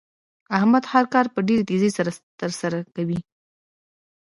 احمد هر کار په ډېرې تېزۍ سره تر سره کوي.